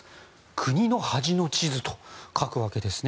国の恥の地図と書くわけですね。